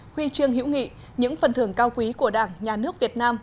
huy chương hữu nghị những phần thưởng cao quý của đảng nhà nước việt nam